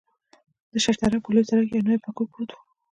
د شش درک پر لوی سړک یو نوی پکول پروت و.